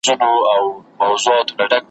چي پیدا دی یو پر بل باندي بلوسیږي `